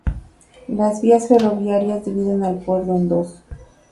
Las vías ferroviarias dividen al pueblo en dos.